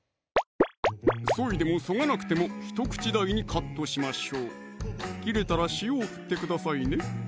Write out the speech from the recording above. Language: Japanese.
そいでもそがなくても１口大にカットしましょう切れたら塩を振ってくださいね！